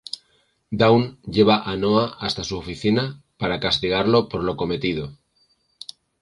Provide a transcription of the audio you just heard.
Dawn lleva a Noah hasta su oficina para castigarlo por lo cometido.